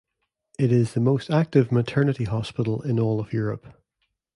It is the most active maternity hospital in all of Europe.